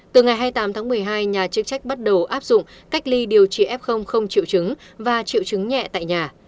từ ngày hai mươi tám tháng một mươi hai nhà chức trách bắt đầu áp dụng cách ly điều trị f không triệu chứng và triệu chứng nhẹ tại nhà